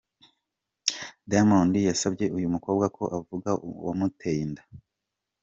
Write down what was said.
Diamond yasabye uyu mukobwa ko avuga uwamuteye inda